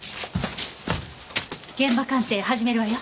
現場鑑定始めるわよ。